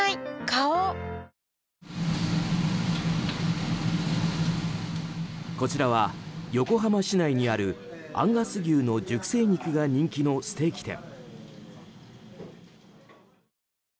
花王こちらは横浜市内にあるアンガス牛の熟成肉が人気のステーキ店。